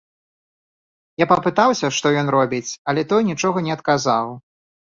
Я папытаўся, што ён робіць, але той нічога не адказаў.